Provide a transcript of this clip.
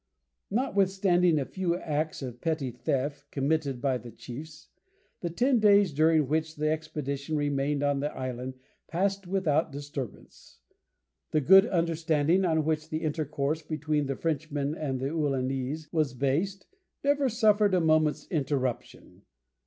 Notwithstanding a few acts of petty theft committed by the chiefs, the ten days during which the expedition remained at the island passed without disturbance; the good understanding on which the intercourse between the Frenchmen and the Ualanese was based never suffered a moment's interruption.